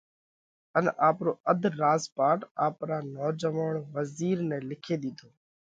ان آپرو اڌ راز پاٽ آپرا نوجوئوڻ وزِير نئہ لکي ۮِيڌو۔